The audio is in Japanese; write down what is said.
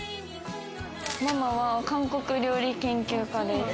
ママは韓国料理研究家です。